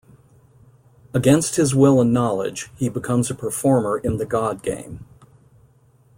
Against his will and knowledge, he becomes a performer in the godgame.